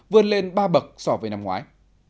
vươn lên ba bậc so với năm ngoái